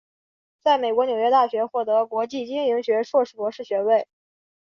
在美国纽约大学获得国际经营学硕士博士学位。